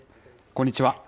こんにちは。